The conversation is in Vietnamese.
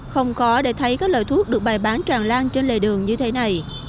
không khó để thấy các loại thuốc được bày bán tràn lan trên lề đường như thế này